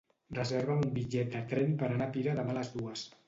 Reserva'm un bitllet de tren per anar a Pira demà a les dues.